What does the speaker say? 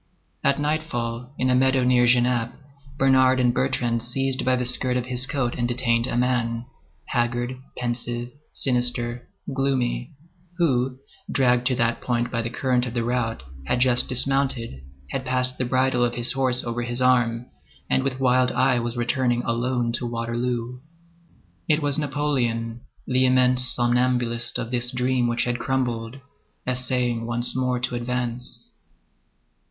At nightfall, in a meadow near Genappe, Bernard and Bertrand seized by the skirt of his coat and detained a man, haggard, pensive, sinister, gloomy, who, dragged to that point by the current of the rout, had just dismounted, had passed the bridle of his horse over his arm, and with wild eye was returning alone to Waterloo. It was Napoleon, the immense somnambulist of this dream which had crumbled, essaying once more to advance.